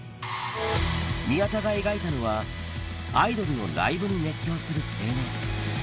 宮田が描いたのは、アイドルのライブに熱狂する青年。